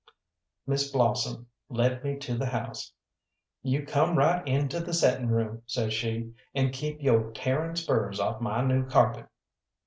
Miss Blossom led me to the house. "You come right into the settin' room," says she, "and keep yo' tearing spurs off my new carpet."